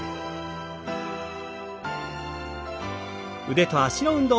腕と脚の運動。